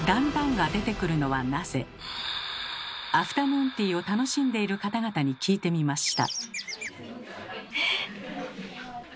アフタヌーンティーを楽しんでいる方々に聞いてみました。